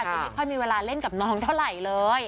จะไม่ค่อยมีเวลาเล่นกับน้องเท่าไหร่เลย